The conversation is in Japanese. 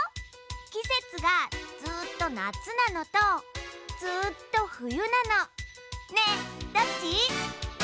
きせつがずっとなつなのとずっとふゆなのねえどっち？